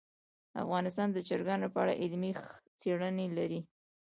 افغانستان د چرګان په اړه علمي څېړنې لري.